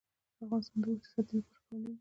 افغانستان د اوښ د ساتنې لپاره قوانین لري.